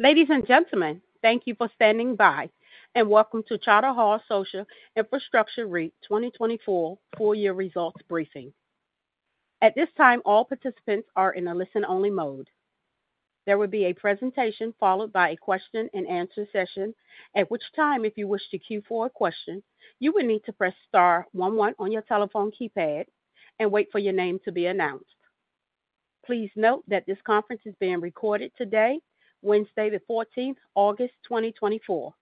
Ladies and gentlemen, thank you for standing by, and welcome to Charter Hall Social Infrastructure REIT 2024 full year results briefing. At this time, all participants are in a listen-only mode. There will be a presentation followed by a question-and-answer session, at which time, if you wish to queue for a question, you will need to press star one one on your telephone keypad and wait for your name to be announced. Please note that this conference is being recorded today, Wednesday, the 14th, August 2024.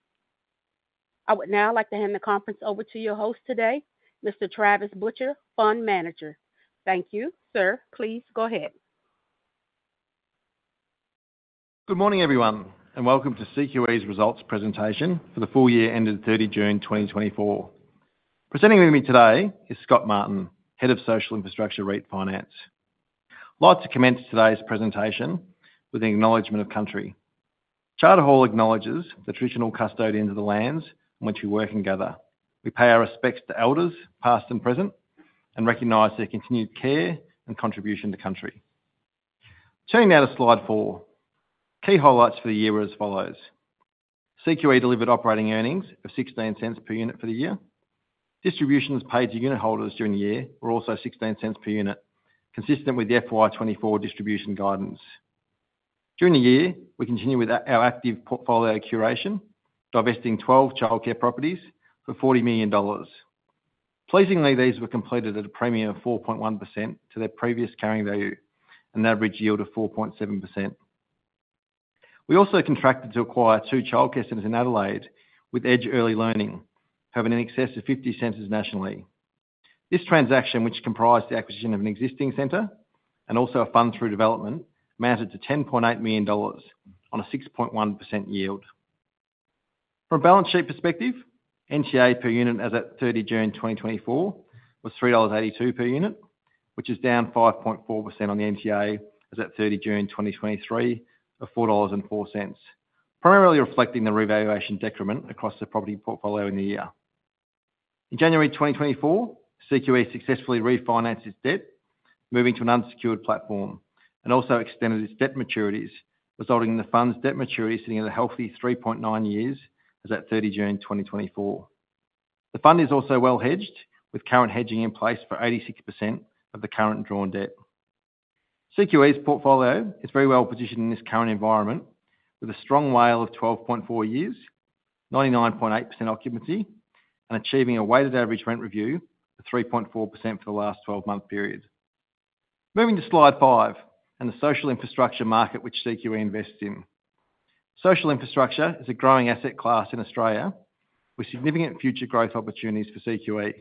I would now like to hand the conference over to your host today, Mr. Travis Butcher, Fund Manager. Thank you, sir. Please go ahead. Good morning, everyone, and welcome to CQE's results presentation for the full year ending 30 June 2024. Presenting with me today is Scott Martin, Head of Social Infrastructure REIT Finance. I'd like to commence today's presentation with the acknowledgment of country. Charter Hall acknowledges the traditional custodians of the lands on which we work and gather. We pay our respects to elders, past and present, and recognize their continued care and contribution to country. Turning now to slide 4. Key highlights for the year were as follows: CQE delivered operating earnings of 0.16 per unit for the year. Distributions paid to unit holders during the year were also 0.16 per unit, consistent with the FY 2024 distribution guidance. During the year, we continued with our active portfolio curation, divesting 12 childcare properties for 40 million dollars. Pleasingly, these were completed at a premium of 4.1% to their previous carrying value, an average yield of 4.7%. We also contracted to acquire two childcare centers in Adelaide with Edge Early Learning, having in excess of 50 centers nationally. This transaction, which comprised the acquisition of an existing center and also a fund-through development, amounted to 10.8 million dollars on a 6.1% yield. From a balance sheet perspective, NTA per unit as at 30 June 2024 was 3.82 dollars per unit, which is down 5.4% on the NTA, as at 30 June 2023, of 4.04 dollars. Primarily reflecting the revaluation decrement across the property portfolio in the year. In January 2024, CQE successfully refinanced its debt, moving to an unsecured platform, and also extended its debt maturities, resulting in the fund's debt maturity sitting at a healthy 3.9 years as at 30 June 2024. The fund is also well hedged, with current hedging in place for 86% of the current drawn debt. CQE's portfolio is very well positioned in this current environment, with a strong WALE of 12.4 years, 99.8% occupancy, and achieving a weighted average rent review of 3.4% for the last 12-month period. Moving to slide 5, and the social infrastructure market which CQE invests in. Social infrastructure is a growing asset class in Australia, with significant future growth opportunities for CQE.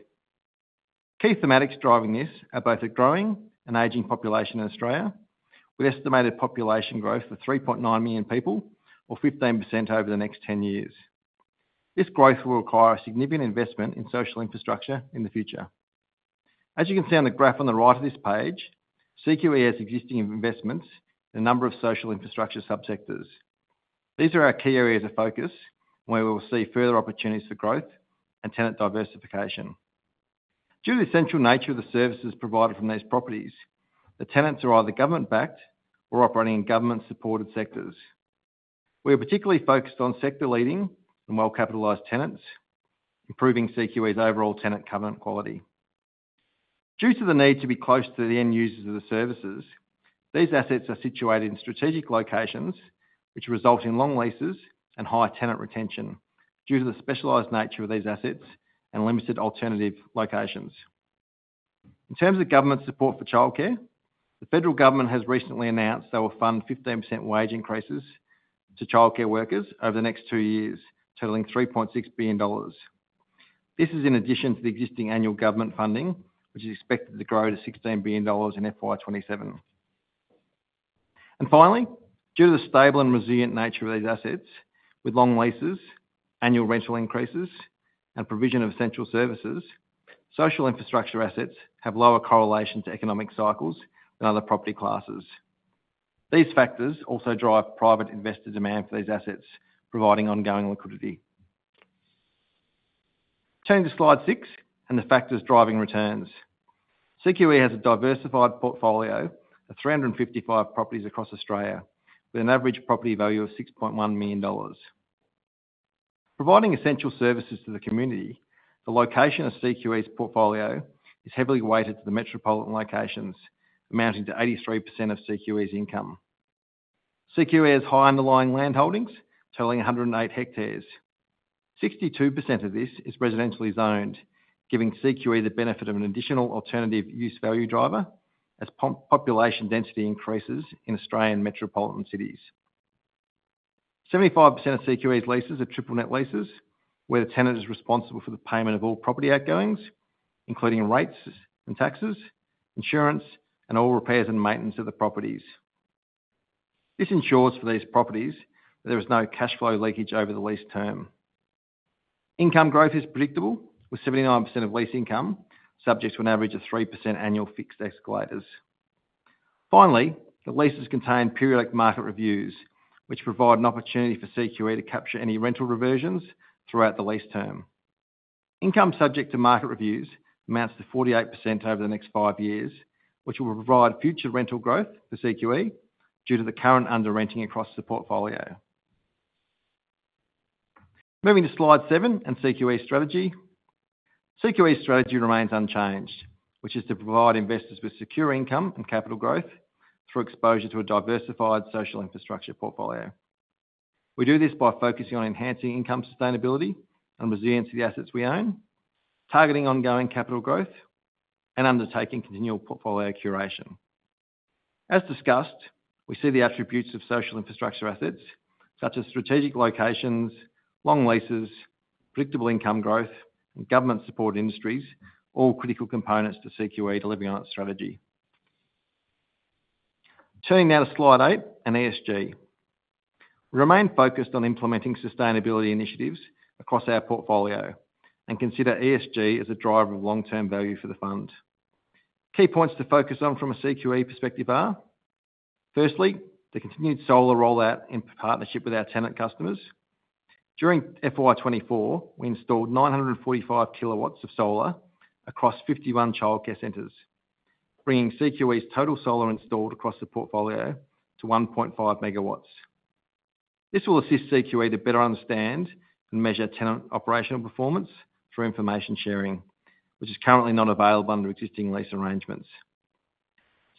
Key thematics driving this are both a growing and aging population in Australia, with estimated population growth of 3.9 million people or 15% over the next 10 years. This growth will require significant investment in social infrastructure in the future. As you can see on the graph on the right of this page, CQE has existing investments in a number of social infrastructure subsectors. These are our key areas of focus, where we will see further opportunities for growth and tenant diversification. Due to the essential nature of the services provided from these properties, the tenants are either government-backed or operating in government-supported sectors. We are particularly focused on sector-leading and well-capitalized tenants, improving CQE's overall tenant covenant quality. Due to the need to be close to the end users of the services, these assets are situated in strategic locations, which result in long leases and high tenant retention due to the specialized nature of these assets and limited alternative locations. In terms of government support for childcare, the federal government has recently announced they will fund 15% wage increases to childcare workers over the next two years, totaling AUD 3.6 billion. This is in addition to the existing annual government funding, which is expected to grow to AUD 16 billion in FY 2027. And finally, due to the stable and resilient nature of these assets, with long leases, annual rental increases, and provision of essential services, social infrastructure assets have lower correlation to economic cycles than other property classes. These factors also drive private investor demand for these assets, providing ongoing liquidity. Turning to slide 6, and the factors driving returns. CQE has a diversified portfolio of 355 properties across Australia, with an average property value of 6.1 million dollars. Providing essential services to the community, the location of CQE's portfolio is heavily weighted to the metropolitan locations, amounting to 83% of CQE's income. CQE has high underlying landholdings, totaling 108 hectares. 62% of this is residentially zoned, giving CQE the benefit of an additional alternative use value driver as population density increases in Australian metropolitan cities. 75% of CQE's leases are triple net leases, where the tenant is responsible for the payment of all property outgoings, including rates and taxes, insurance, and all repairs and maintenance of the properties. This ensures for these properties there is no cash flow leakage over the lease term. Income growth is predictable, with 79% of lease income subject to an average of 3% annual fixed escalators. Finally, the leases contain periodic market reviews, which provide an opportunity for CQE to capture any rental reversions throughout the lease term. Income subject to market reviews amounts to 48% over the next 5 years, which will provide future rental growth for CQE due to the current under-renting across the portfolio. Moving to slide 7 and CQE strategy. CQE's strategy remains unchanged, which is to provide investors with secure income and capital growth through exposure to a diversified social infrastructure portfolio. We do this by focusing on enhancing income sustainability and resilience of the assets we own, targeting ongoing capital growth, and undertaking continual portfolio curation. As discussed, we see the attributes of social infrastructure assets, such as strategic locations, long leases, predictable income growth, and government-supported industries, all critical components to CQE delivering on its strategy. Turning now to slide 8 and ESG. We remain focused on implementing sustainability initiatives across our portfolio, and consider ESG as a driver of long-term value for the fund. Key points to focus on from a CQE perspective are: firstly, the continued solar rollout in partnership with our tenant customers. During FY 2024, we installed 945 kW of solar across 51 childcare centers, bringing CQE's total solar installed across the portfolio to 1.5 MW. This will assist CQE to better understand and measure tenant operational performance through information sharing, which is currently not available under existing lease arrangements.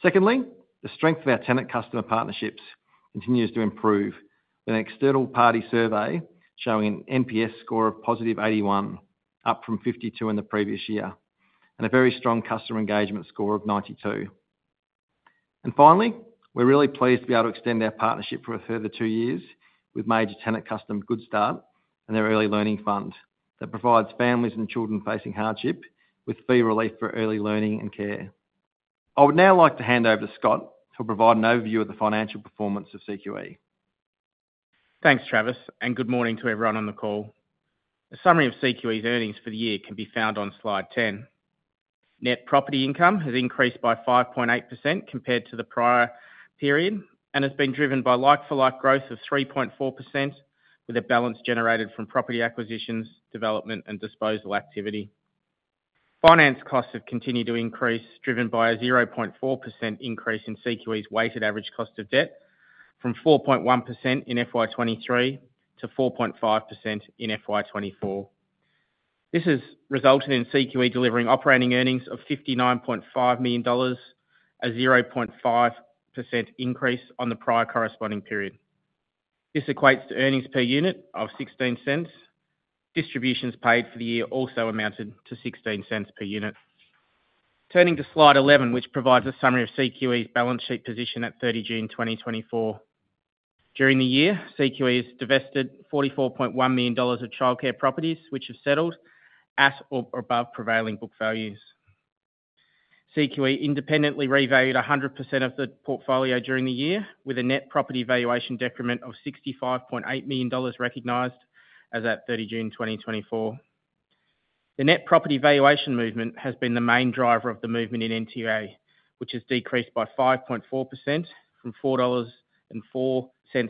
Secondly, the strength of our tenant customer partnerships continues to improve, with an external party survey showing an NPS score of +81, up from 52 in the previous year, and a very strong customer engagement score of 92. Finally, we're really pleased to be able to extend our partnership for a further 2 years with major tenant customer, Goodstart, and their Early Learning Fund, that provides families and children facing hardship with fee relief for early learning and care. I would now like to hand over to Scott to provide an overview of the financial performance of CQE. Thanks, Travis, and good morning to everyone on the call. A summary of CQE's earnings for the year can be found on Slide 10. Net property income has increased by 5.8% compared to the prior period, and has been driven by like-for-like growth of 3.4%, with a balance generated from property acquisitions, development, and disposal activity. Finance costs have continued to increase, driven by a 0.4% increase in CQE's weighted average cost of debt, from 4.1% in FY 2023 to 4.5% in FY 2024. This has resulted in CQE delivering operating earnings of 59.5 million dollars, a 0.5% increase on the prior corresponding period. This equates to earnings per unit of 0.16. Distributions paid for the year also amounted to 0.16 per unit. Turning to slide 11, which provides a summary of CQE's balance sheet position at 30 June 2024. During the year, CQE has divested 44.1 million dollars of childcare properties, which have settled at or above prevailing book values. CQE independently revalued 100% of the portfolio during the year, with a net property valuation decrement of 65.8 million dollars recognized as at 30 June 2024. The net property valuation movement has been the main driver of the movement in NTA, which has decreased by 5.4% from 4.04 dollars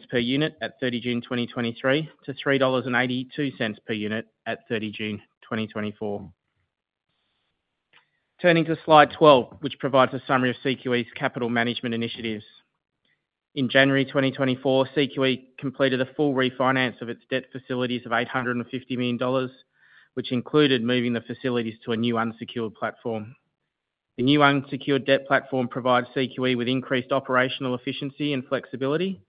per unit at 30 June 2023 to 3.82 dollars per unit at 30 June 2024. Turning to slide 12, which provides a summary of CQE's capital management initiatives. In January 2024, CQE completed a full refinance of its debt facilities of 850 million dollars, which included moving the facilities to a new unsecured platform. The new unsecured debt platform provides CQE with increased operational efficiency and flexibility,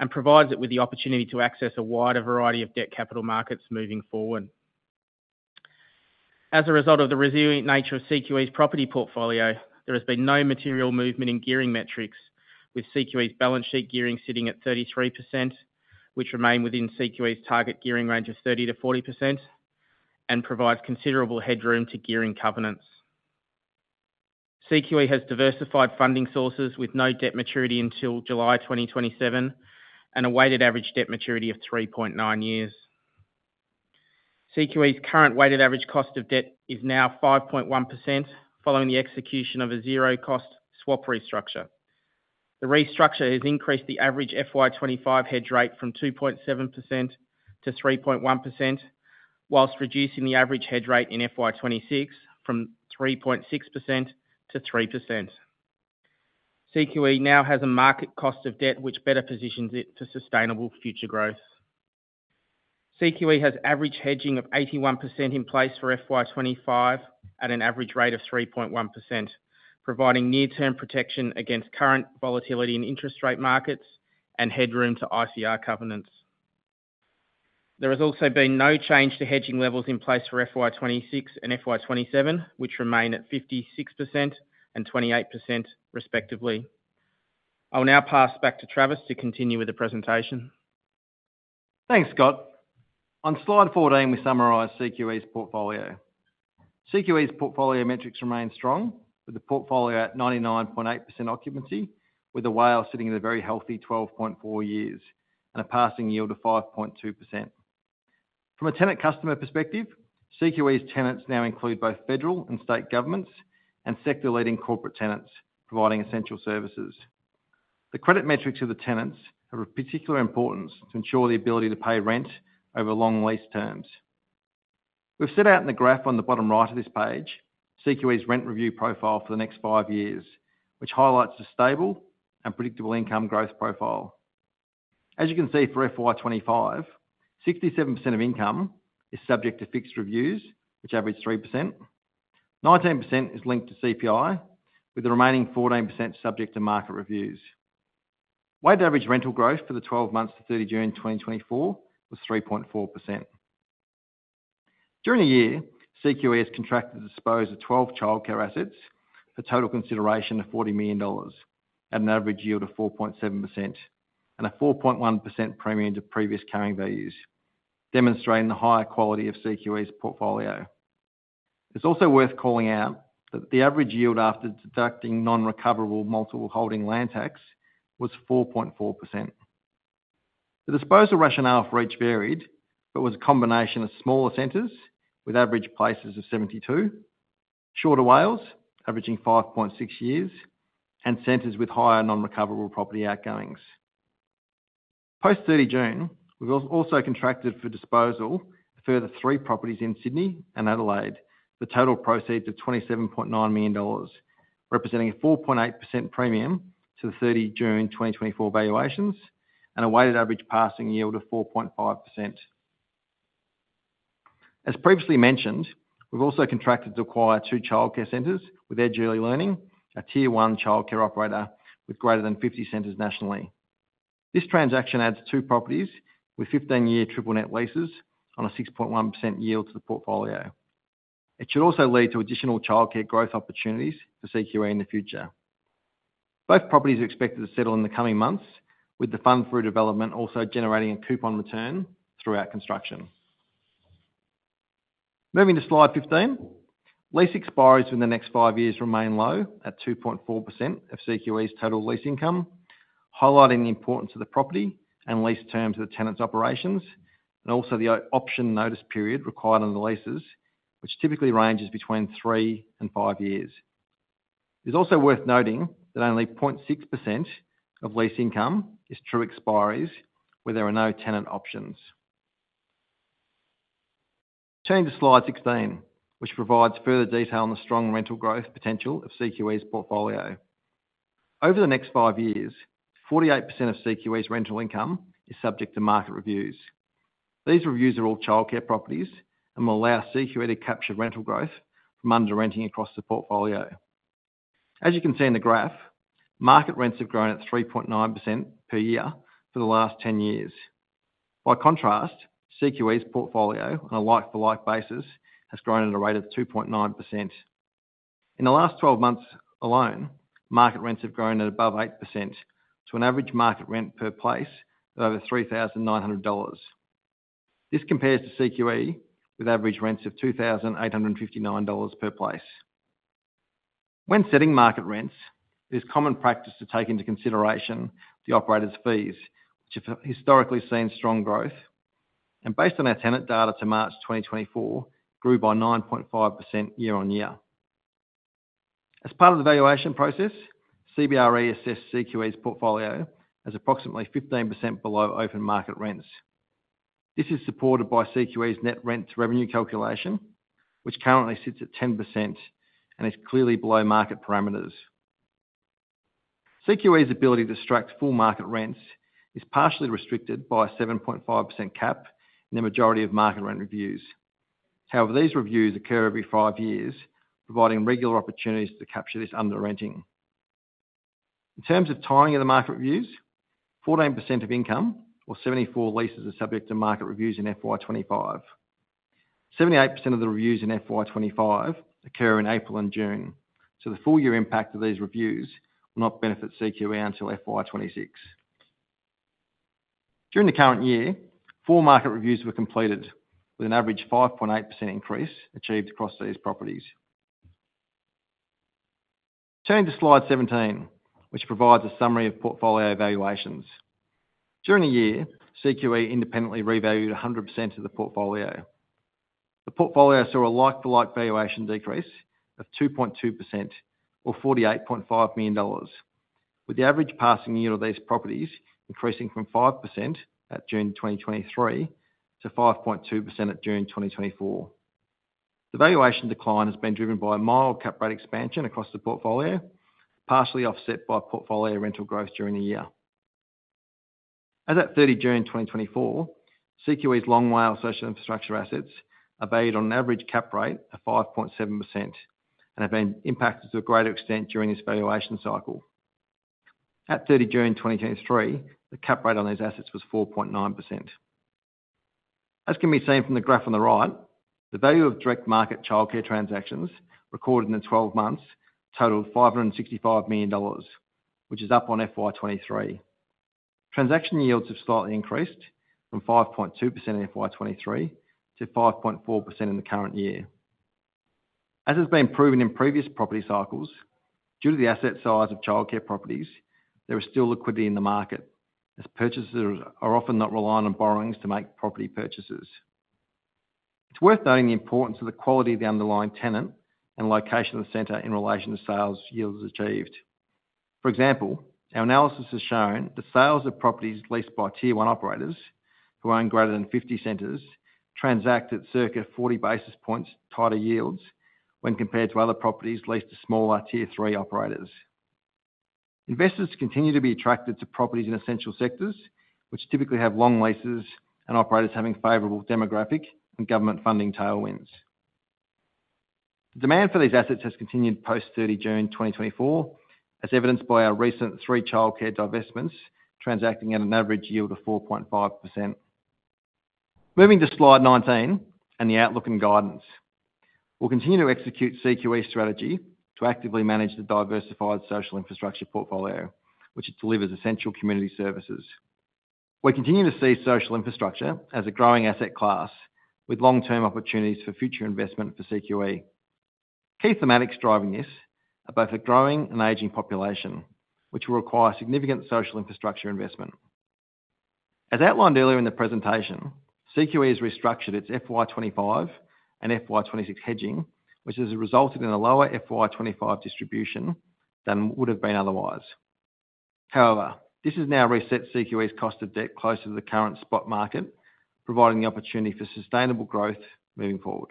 and provides it with the opportunity to access a wider variety of debt capital markets moving forward. As a result of the resilient nature of CQE's property portfolio, there has been no material movement in gearing metrics, with CQE's balance sheet gearing sitting at 33%, which remain within CQE's target gearing range of 30%-40%, and provides considerable headroom to gearing covenants. CQE has diversified funding sources with no debt maturity until July 2027, and a weighted average debt maturity of 3.9 years. CQE's current weighted average cost of debt is now 5.1%, following the execution of a zero-cost swap restructure. The restructure has increased the average FY 2025 hedge rate from 2.7%-3.1%, while reducing the average hedge rate in FY 2026 from 3.6%-3%. CQE now has a market cost of debt, which better positions it to sustainable future growth. CQE has average hedging of 81% in place for FY 2025, at an average rate of 3.1%, providing near-term protection against current volatility in interest rate markets and headroom to ICR covenants. There has also been no change to hedging levels in place for FY 2026 and FY 2027, which remain at 56% and 28%, respectively. I will now pass back to Travis to continue with the presentation. Thanks, Scott. On slide 14, we summarize CQE's portfolio. CQE's portfolio metrics remain strong, with the portfolio at 99.8% occupancy, with the WALE sitting at a very healthy 12.4 years, and a passing yield of 5.2%. From a tenant customer perspective, CQE's tenants now include both federal and state governments and sector-leading corporate tenants providing essential services. The credit metrics of the tenants are of particular importance to ensure the ability to pay rent over long lease terms. We've set out in the graph on the bottom right of this page, CQE's rent review profile for the next 5 years, which highlights a stable and predictable income growth profile. As you can see, for FY 2025, 67% of income is subject to fixed reviews, which average 3%. 19% is linked to CPI, with the remaining 14% subject to market reviews. Weighted average rental growth for the 12 months to 30 June 2024 was 3.4%. During the year, CQE has contracted to dispose of 12 childcare assets for total consideration of 40 million dollars at an average yield of 4.7% and a 4.1% premium to previous carrying values, demonstrating the higher quality of CQE's portfolio. It's also worth calling out that the average yield after deducting non-recoverable multiple holding land tax was 4.4%. The disposal rationale for each varied, but was a combination of smaller centers with average places of 72, shorter WALE, averaging 5.6 years, and centers with higher non-recoverable property outgoings. Post 30 June, we've also contracted for disposal a further three properties in Sydney and Adelaide, for total proceeds of 27.9 million dollars, representing a 4.8% premium to the 30 June 2024 valuations and a weighted average passing yield of 4.5%. As previously mentioned, we've also contracted to acquire two childcare centers with Edge Early Learning, a tier 1 childcare operator with greater than 50 centers nationally. This transaction adds two properties with 15-year triple net leases on a 6.1% yield to the portfolio. It should also lead to additional childcare growth opportunities for CQE in the future. Both properties are expected to settle in the coming months, with the fund-through development also generating a coupon return throughout construction. Moving to slide 15. Lease expiries in the next 5 years remain low, at 2.4% of CQE's total lease income, highlighting the importance of the property and lease terms of the tenant's operations, and also the option notice period required on the leases, which typically ranges between 3 and 5 years. It's also worth noting that only 0.6% of lease income is true expiries, where there are no tenant options. Turning to slide 16, which provides further detail on the strong rental growth potential of CQE's portfolio. Over the next 5 years, 48% of CQE's rental income is subject to market reviews. These reviews are all childcare properties and will allow CQE to capture rental growth from under-renting across the portfolio. As you can see in the graph, market rents have grown at 3.9% per year for the last 10 years. By contrast, CQE's portfolio, on a like-for-like basis, has grown at a rate of 2.9%. In the last 12 months alone, market rents have grown at above 8% to an average market rent per place of over 3,900 dollars. This compares to CQE, with average rents of 2,859 dollars per place. When setting market rents, it is common practice to take into consideration the operator's fees, which have historically seen strong growth, and based on our tenant data to March 2024, grew by 9.5% year-on-year. As part of the valuation process, CBRE assessed CQE's portfolio as approximately 15% below open market rents. This is supported by CQE's net rent to revenue calculation, which currently sits at 10% and is clearly below market parameters. CQE's ability to strike full market rents is partially restricted by a 7.5% cap in the majority of market rent reviews. However, these reviews occur every 5 years, providing regular opportunities to capture this under-renting. In terms of timing of the market reviews, 14% of income or 74 leases are subject to market reviews in FY 2025. 78% of the reviews in FY 2025 occur in April and June, so the full year impact of these reviews will not benefit CQE until FY 2026. During the current year, four market reviews were completed, with an average 5.8% increase achieved across these properties. Turning to slide 17, which provides a summary of portfolio valuations. During the year, CQE independently revalued 100% of the portfolio. The portfolio saw a like-for-like valuation decrease of 2.2% or 48.5 million dollars, with the average passing yield of these properties increasing from 5% at June 2023 to 5.2% at June 2024. The valuation decline has been driven by a mild cap rate expansion across the portfolio, partially offset by portfolio rental growth during the year. As at 30 June 2024, CQE's long WALE social infrastructure assets are valued on an average cap rate of 5.7% and have been impacted to a greater extent during this valuation cycle. At 30 June 2023, the cap rate on these assets was 4.9%. As can be seen from the graph on the right, the value of direct market childcare transactions recorded in the twelve months totaled 565 million dollars, which is up on FY 2023. Transaction yields have slightly increased from 5.2% in FY 2023 to 5.4% in the current year. As has been proven in previous property cycles, due to the asset size of childcare properties, there is still liquidity in the market, as purchasers are often not reliant on borrowings to make property purchases. It's worth noting the importance of the quality of the underlying tenant and location of the center in relation to sales yields achieved. For example, our analysis has shown that sales of properties leased by tier 1 operators, who own greater than 50 centers, transact at circa 40 basis points tighter yields when compared to other properties leased to smaller tier 3 operators. Investors continue to be attracted to properties in essential sectors, which typically have long leases and operators having favorable demographic and government funding tailwinds. The demand for these assets has continued post 30 June 2024, as evidenced by our recent three childcare divestments, transacting at an average yield of 4.5%. Moving to slide 19 and the outlook and guidance. We'll continue to execute CQE's strategy to actively manage the diversified social infrastructure portfolio, which it delivers essential community services. We continue to see social infrastructure as a growing asset class, with long-term opportunities for future investment for CQE. Key thematics driving this are both a growing and aging population, which will require significant social infrastructure investment. As outlined earlier in the presentation, CQE has restructured its FY 25 and FY 2026 hedging, which has resulted in a lower FY 2025 distribution than would have been otherwise. However, this has now reset CQE's cost of debt closer to the current spot market, providing the opportunity for sustainable growth moving forward.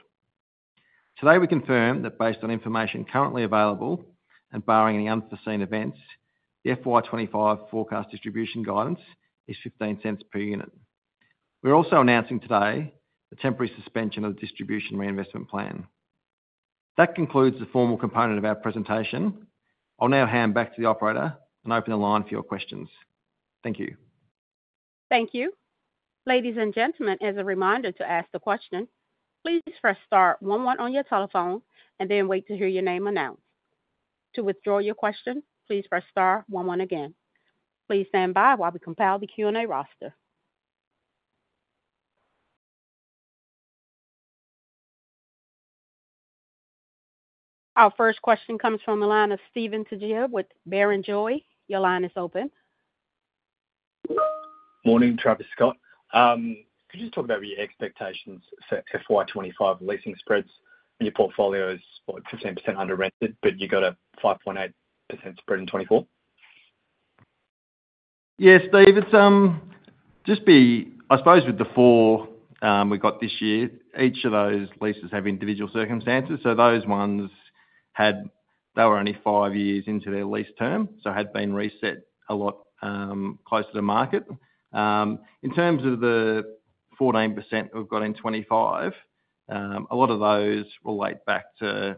Today, we confirm that based on information currently available and barring any unforeseen events, the FY 2025 forecast distribution guidance is 0.15 per unit. We're also announcing today the temporary suspension of the distribution reinvestment plan. That concludes the formal component of our presentation. I'll now hand back to the operator and open the line for your questions. Thank you. Thank you. Ladies and gentlemen, as a reminder to ask the question, please press star one one on your telephone and then wait to hear your name announced. To withdraw your question, please press star one one again. Please stand by while we compile the Q&A roster. Our first question comes from the line of Steven Tjia with Barrenjoey. Your line is open. Morning, Travis, and Scott. Could you just talk about your expectations for FY 2025 leasing spreads? And your portfolio is what, 16% under rented, but you got a 5.8% spread in 2024. Yeah, Steve, it's just, I suppose with the four we got this year, each of those leases have individual circumstances, so those ones had they were only 5 years into their lease term, so had been reset a lot closer to market. In terms of the 14% we've got in 2025, a lot of those relate back to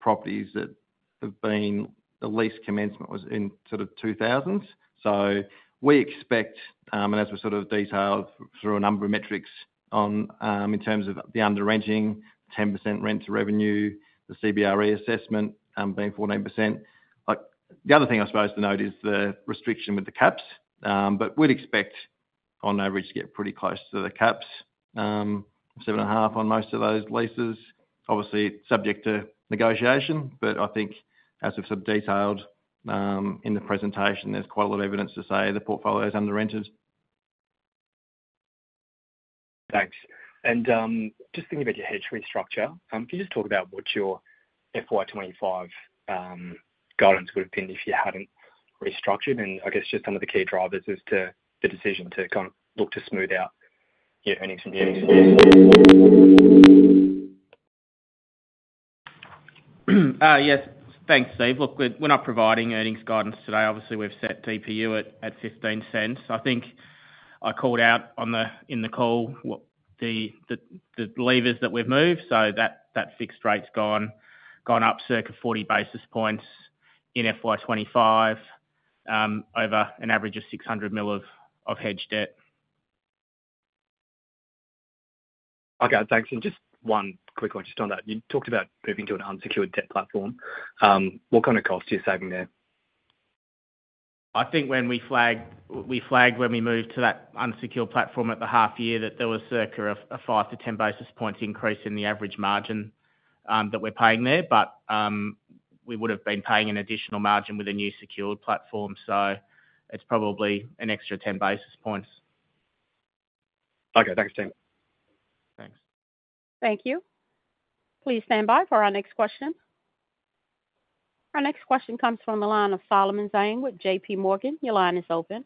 properties that have been the lease commencement was in sort of 2000s. So we expect, and as we sort of detailed through a number of metrics on, in terms of the under renting, 10% rent to revenue, the CBRE assessment being 14%. Like, the other thing I suppose to note is the restriction with the caps, but we'd expect on average to get pretty close to the caps, 7.5 on most of those leases. Obviously, subject to negotiation, but I think as we've sort of detailed, in the presentation, there's quite a lot of evidence to say the portfolio is under rented. Thanks. And, just thinking about your hedge restructure, can you just talk about what your FY 2025 guidance would have been if you hadn't restructured? And I guess just some of the key drivers as to the decision to, kind of, look to smooth out your earnings from years? Yes. Thanks, Steve. Look, we're not providing earnings guidance today. Obviously, we've set DPU at 0.15. I think I called out on the in the call, what the levers that we've moved, so that fixed rate's gone up circa 40 basis points in FY 2025, over an average of 600 million of hedged debt. Okay, thanks. And just one quick one just on that. You talked about moving to an unsecured debt platform. What kind of costs are you saving there? I think when we flagged, we flagged when we moved to that unsecured platform at the half year, that there was circa a 5-10 basis points increase in the average margin, that we're paying there. But, we would have been paying an additional margin with a new secured platform, so it's probably an extra 10 basis points. Okay. Thanks, Scott. Thanks. Thank you. Please stand by for our next question. Our next question comes from the line of Solomon Zhang with J.P. Morgan. Your line is open.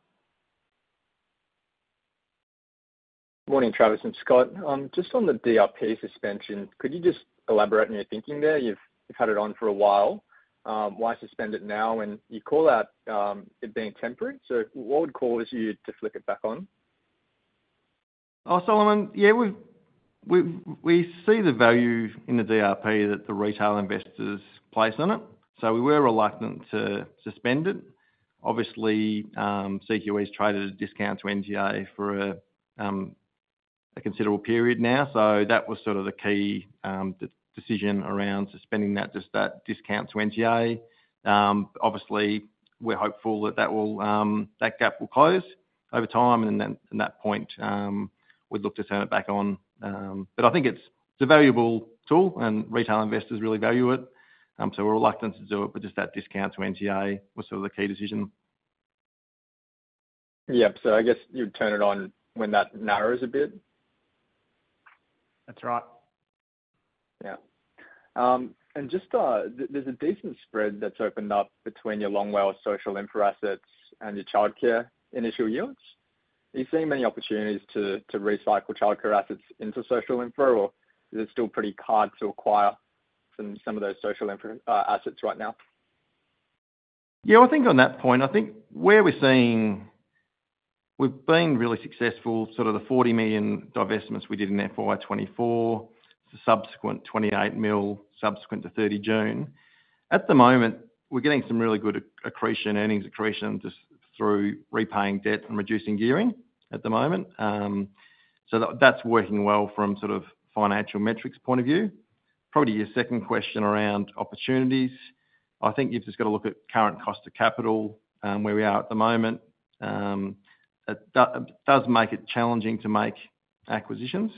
Morning, Travis and Scott. Just on the DRP suspension, could you just elaborate on your thinking there? You've had it on for a while. Why suspend it now? And you call out, it being temporary. So what would cause you to flick it back on? Oh, Solomon, yeah, we've, we see the value in the DRP that the retail investors place on it, so we were reluctant to suspend it. Obviously, CQE has traded at a discount to NTA for a considerable period now, so that was sort of the key decision around suspending that discount to NTA. Obviously, we're hopeful that that will, that gap will close over time, and then at that point, we'd look to turn it back on. But I think it's a valuable tool, and retail investors really value it. So we're reluctant to do it, but just that discount to NTA was sort of the key decision. Yep, so I guess you'd turn it on when that narrows a bit? That's right. Yeah. And just, there's a decent spread that's opened up between your long-WALE social infra assets and your childcare initial yields. Are you seeing many opportunities to recycle childcare assets into social infra, or is it still pretty hard to acquire some of those social infra assets right now? Yeah, I think on that point, I think where we're seeing. We've been really successful, sort of the 40 million divestments we did in FY 2024, the subsequent 28 million, subsequent to 30 June. At the moment, we're getting some really good accretion, earnings accretion, just through repaying debt and reducing gearing at the moment. So that's working well from sort of financial metrics point of view. Probably your second question around opportunities, I think you've just got to look at current cost of capital, where we are at the moment. It does make it challenging to make acquisitions.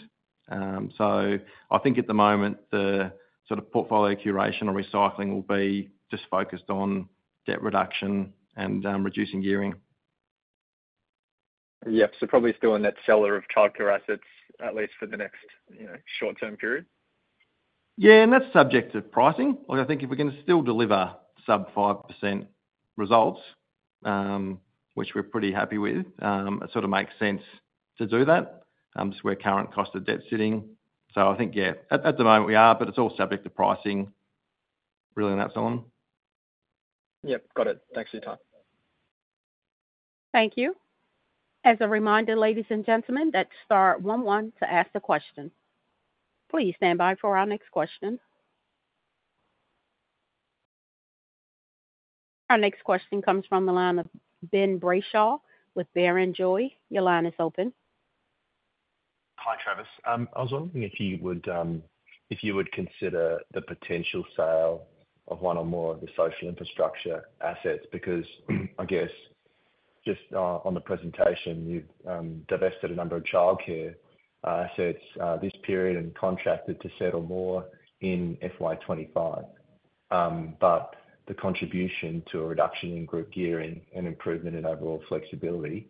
So I think at the moment, the sort of portfolio curation or recycling will be just focused on debt reduction and reducing gearing. Yep. So probably still a net seller of childcare assets, at least for the next, you know, short-term period? Yeah, and that's subject to pricing. Like, I think if we can still deliver sub-5% results, which we're pretty happy with, it sort of makes sense to do that, just where current cost of debt is sitting. So I think, yeah, at the moment we are, but it's all subject to pricing, really, on that sell. Yep. Got it. Thanks for your time. Thank you. As a reminder, ladies and gentlemen, that's star one one to ask a question. Please stand by for our next question. Our next question comes from the line of Ben Brayshaw with Barrenjoey. Your line is open. Hi, Travis. I was wondering if you would consider the potential sale of one or more of the social infrastructure assets, because, I guess, just, on the presentation, you've divested a number of childcare assets this period and contracted to settle more in FY 2025. But the contribution to a reduction in group gearing and improvement in overall flexibility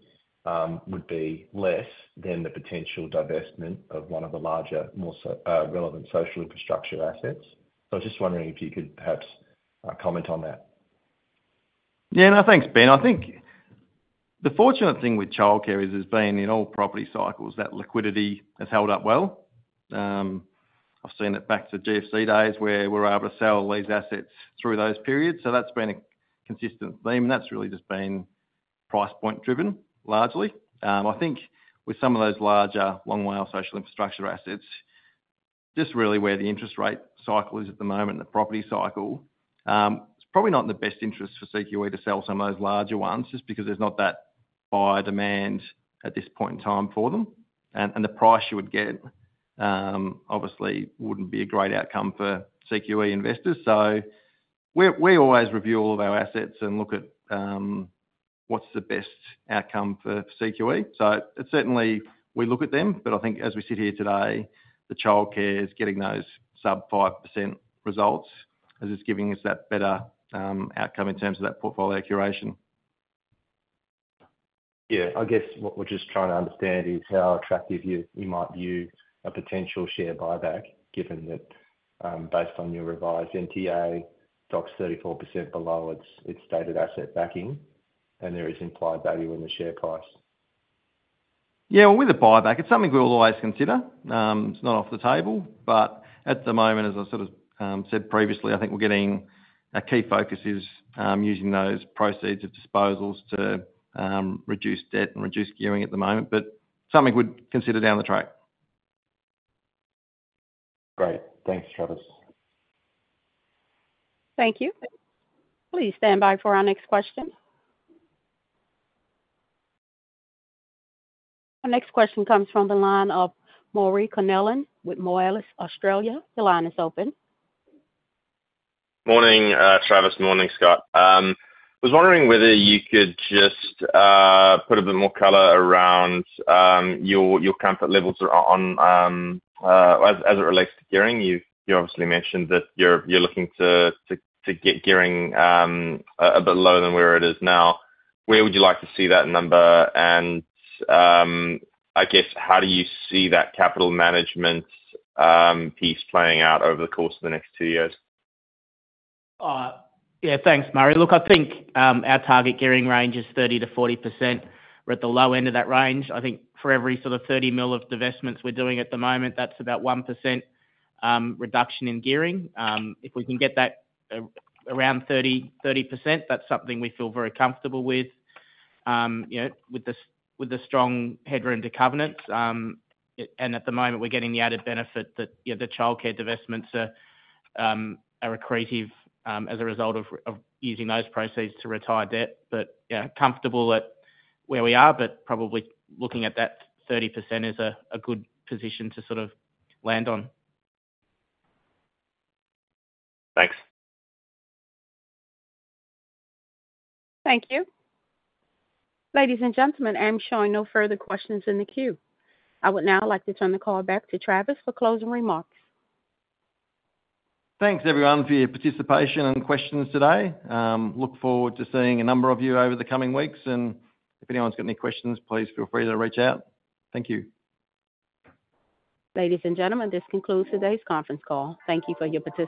would be less than the potential divestment of one of the larger, more so relevant social infrastructure assets. So I was just wondering if you could perhaps comment on that. Yeah, no, thanks, Ben. I think the fortunate thing with childcare is, has been in all property cycles, that liquidity has held up well. I've seen it back to the GFC days, where we're able to sell these assets through those periods, so that's been a consistent theme, and that's really just been price point driven, largely. I think with some of those larger, long-tail social infrastructure assets, just really where the interest rate cycle is at the moment in the property cycle, it's probably not in the best interest for CQE to sell some of those larger ones, just because there's not that buyer demand at this point in time for them. And the price you would get, obviously wouldn't be a great outcome for CQE investors. We always review all of our assets and look at what's the best outcome for CQE. It's certainly we look at them, but I think as we sit here today, the childcare is getting those sub-5% results as it's giving us that better outcome in terms of that portfolio curation. Yeah. I guess what we're just trying to understand is how attractive you might view a potential share buyback, given that, based on your revised NTA, stock's 34% below its stated asset backing, and there is implied value in the share price. Yeah, well, with a buyback, it's something we'll always consider. It's not off the table, but at the moment, as I sort of said previously, I think we're getting our key focuses, using those proceeds of disposals to reduce debt and reduce gearing at the moment, but something we'd consider down the track. Great. Thanks, Travis. Thank you. Please stand by for our next question. Our next question comes from the line of Murray Connellan with Moelis Australia. Your line is open. Morning, Travis. Morning, Scott. I was wondering whether you could just put a bit more color around your comfort levels on as it relates to gearing. You obviously mentioned that you're looking to get gearing a bit lower than where it is now. Where would you like to see that number? And I guess, how do you see that capital management piece playing out over the course of the next two years? Yeah, thanks, Murray. Look, I think our target gearing range is 30%-40%. We're at the low end of that range. I think for every sort of 30 million of divestments we're doing at the moment, that's about 1% reduction in gearing. If we can get that around 30, 30%, that's something we feel very comfortable with, you know, with the strong headroom to covenants. And at the moment, we're getting the added benefit that, you know, the childcare divestments are accretive as a result of using those proceeds to retire debt. But yeah, comfortable at where we are, but probably looking at that 30% is a good position to sort of land on. Thanks. Thank you. Ladies and gentlemen, I'm showing no further questions in the queue. I would now like to turn the call back to Travis for closing remarks. Thanks, everyone, for your participation and questions today. Look forward to seeing a number of you over the coming weeks, and if anyone's got any questions, please feel free to reach out. Thank you. Ladies and gentlemen, this concludes today's conference call. Thank you for your participation.